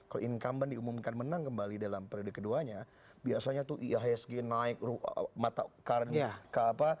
kalau incumbent diumumkan menang kembali dalam periode keduanya biasanya tuh ihsg naik mata currennya ke apa